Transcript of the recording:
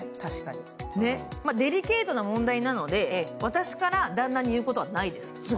デリケートな問題なので、私から旦那に言うことはないです。